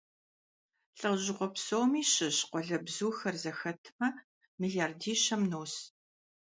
ЛӀэужьыгъуэ псоми щыщ къуалэбзухэр зэхэтмэ, миллиардищэм нос.